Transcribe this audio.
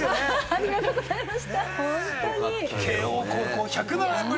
ありがとうございます。